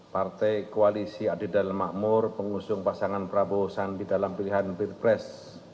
partai koalisi adil dan makmur pengusung pasangan prabowo sandi dalam pilihan pilpres dua ribu sembilan belas